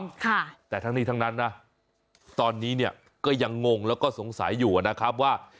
ค่ะแต่ทั้งนี้ทั้งนั้นนะตอนนี้เนี่ยก็ยังงงแล้วก็สงสัยอยู่อ่ะนะครับว่า